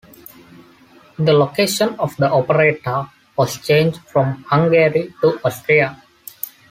The location of the operetta was changed from Hungary to Austria.